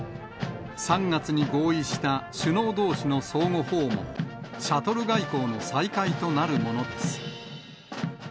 ３月に合意した首脳どうしの相互訪問、シャトル外交の再開となるものです。